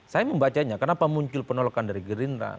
saya membacanya kenapa muncul penolakan dari gerindra